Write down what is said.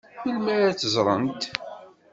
Melmi ad tt-ẓṛent?